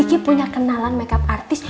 ki punya kenalan makeup artis